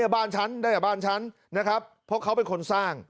บ้านฉันได้แต่บ้านฉันนะครับเพราะเขาเป็นคนสร้าง